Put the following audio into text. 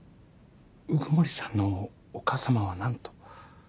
鵜久森さんのお母さまは何と？